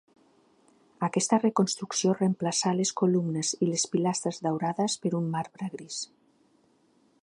Aquesta reconstrucció reemplaçà les columnes i les pilastres daurades per un marbre gris.